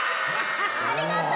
ありがとう！